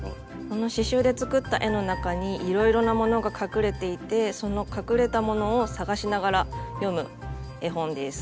この刺しゅうで作った絵の中にいろいろなものが隠れていてその隠れたものを探しながら読む絵本です。